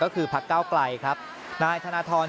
ก็คือพักเก้าไกลครับนายธนทร